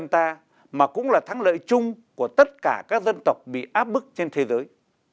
dân ta mà cũng là thắng lợi chung của tất cả các dân tộc bị áp bức trên thế giới